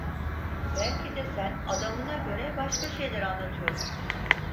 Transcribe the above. Belki de sen adamına göre başka şeyler anlatıyorsun.